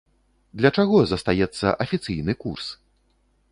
Для чаго застаецца афіцыйны курс?